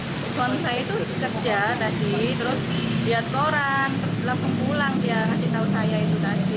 terus suami saya itu kerja tadi terus lihat koran terus langsung pulang dia ngasih tahu saya itu tadi